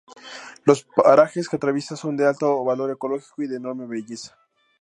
Los parajes que atraviesa son de alto valor ecológico y de enorme belleza.